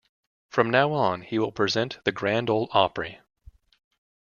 From now on, we will present the "Grand Ole Opry".